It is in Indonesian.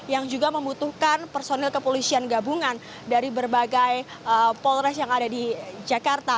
yang juga membutuhkan personil kepolisian gabungan dari berbagai polres yang ada di jakarta